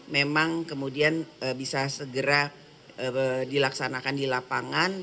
memang kemudian bisa segera dilaksanakan di lapangan